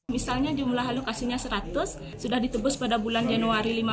misalnya jumlah alokasinya seratus sudah ditebus pada bulan januari lima puluh